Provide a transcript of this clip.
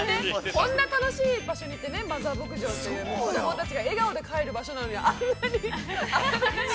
こんな楽しい場所に行って、マザー牧場という、子供たちが笑顔で帰る場所なのに、あんなに。